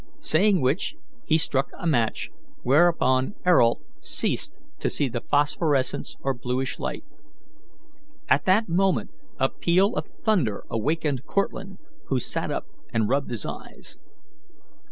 Saying which, he struck a match, whereupon Ayrault ceased to see the phosphorescence or bluish light. At that moment a peal of thunder awakened Cortlandt, who sat up and rubbed his eyes.